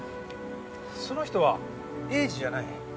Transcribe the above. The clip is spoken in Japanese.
その人は栄治じゃない。